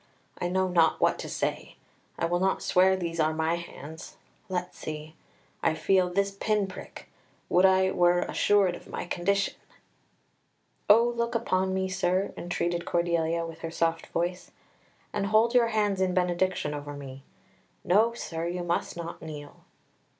I know not what to say. I will not swear these are my hands; let's see. I feel this pin prick. Would I were assured of my condition!" "Oh, look upon me, sir!" entreated Cordelia, with her soft voice. "And hold your hands in benediction over me. No, sir, you must not kneel."